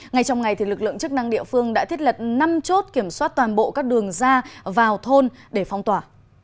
ngay trong ngày lực lượng chức năng địa phương đã thiết lật năm chốt kiểm soát toàn bộ các đường ra vào thôn để phong tỏa